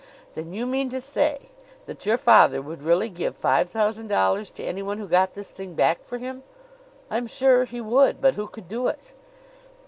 "Then you mean to say that your father would really give five thousand dollars to anyone who got this thing back for him?" "I am sure he would. But who could do it?"